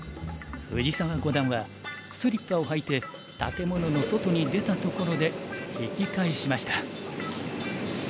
藤沢五段はスリッパを履いて建物の外に出たところで引き返しました。